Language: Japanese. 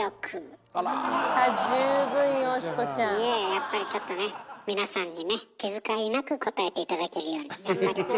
やっぱりちょっとね皆さんにね気遣いなく答えて頂けるように頑張ります。